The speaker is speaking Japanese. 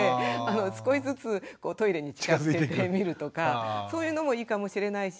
少しずつトイレに近づけてみるとかそういうのもいいかもしれないし。